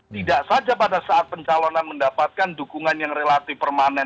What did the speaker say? tidak saja pada saat pencalonan mendapatkan dukungan yang relatif permanen